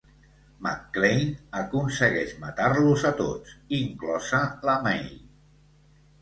McClane aconsegueix matar-los a tots, inclosa la Mai.